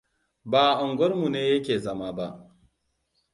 Ba a unguwarmu ne ya ke zama ba.